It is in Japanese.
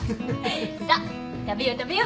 さあ食べよう食べよう。